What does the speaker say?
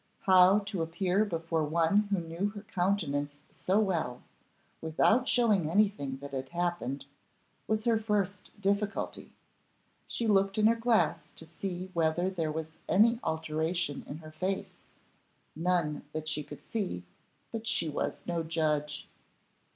How to appear before one who knew her countenance so well, without showing that any thing had happened, was her first difficulty. She looked in her glass to see whether there was any alteration in her face; none that she could see, but she was no judge.